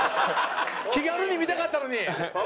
気軽に見たかったのに！